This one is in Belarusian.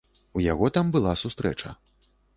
У яго там была сустрэча.